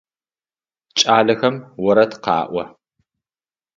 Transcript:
Кӏалэхэм орэд къаӏо.